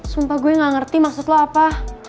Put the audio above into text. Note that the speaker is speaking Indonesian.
sumpah gue gak ngerti maksud lo apa